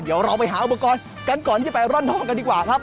เดี๋ยวเราไปหาอุปกรณ์กันก่อนที่ไปร่อนทองกันดีกว่าครับ